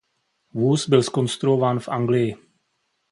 Vůz byl zkonstruován v Anglii.